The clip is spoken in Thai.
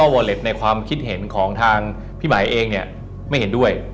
วอเล็ตในความคิดเห็นของทางพี่หมายเองเนี่ยไม่เห็นด้วย